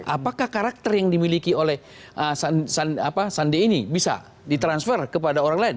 apakah karakter yang dimiliki oleh sandi ini bisa ditransfer kepada orang lain